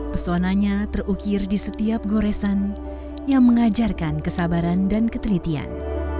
pesonanya terukir di setiap goresan yang mengajarkan kesabaran dan ketelitian